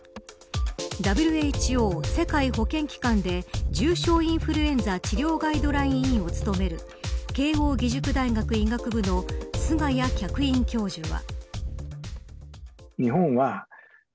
ＷＨＯ、世界保健機関で重症インフルエンザ治療ガイドライン委員を務める慶應義塾大学医学部の菅谷客員教授は。